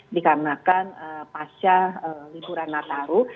dikarenakan pasca liburan nataru